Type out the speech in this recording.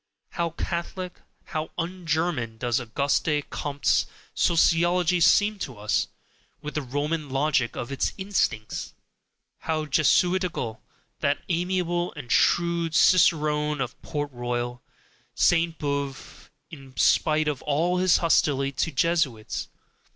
How Catholic, how un German does Auguste Comte's Sociology seem to us, with the Roman logic of its instincts! How Jesuitical, that amiable and shrewd cicerone of Port Royal, Sainte Beuve, in spite of all his hostility to Jesuits!